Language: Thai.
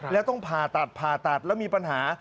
แล้วต้องผ่าตัดผ่าตัดแล้วมีปัญหา